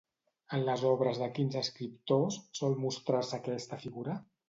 En les obres de quins escriptors sol mostrar-se aquesta figura?